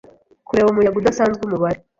kureba umuyaga udasanzwe umubare